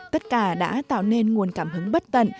tất cả đã tạo nên nguồn cảm hứng bất tận